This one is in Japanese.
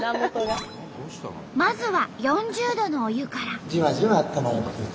まずは４０℃のお湯から。